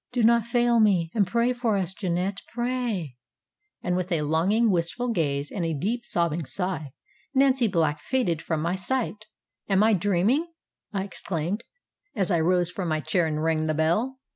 ŌĆ£Do not fail me, and pray for us, Jeannette, pray, ŌĆØ and with a longing, wistful gaze, and a deep, sobbing sigh, Nancy Black faded from my sight. ŌĆ£Am I dreaming? ŌĆØ I exclaimed, as I rose from my chair and rang the bell.